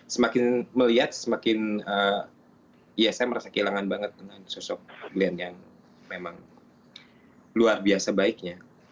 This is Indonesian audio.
semakin melihat semakin ya saya merasa kehilangan banget dengan sosok glenn yang memang luar biasa baiknya